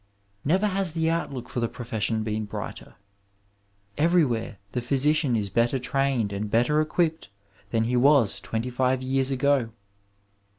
'' Never has the outlook for the profession been brighter. Everywhere the physician is better trained and better equipped than he was twenty five years ago.